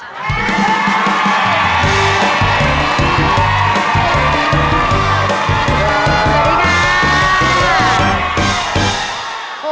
สวัสดีครับ